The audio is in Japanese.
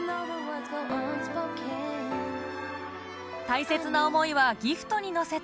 大切な思いはギフトに乗せて